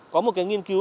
có một cái nghiên cứu